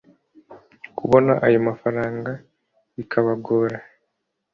kubona ayo mafaranga bikabagora